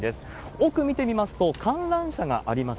奥見てみますと、観覧車があります。